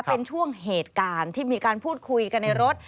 เป็นช่วงเหตุการณ์ที่มีการพูดคุยกันในรถ